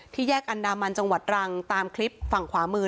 แยกอันดามันจังหวัดรังตามคลิปฝั่งขวามือ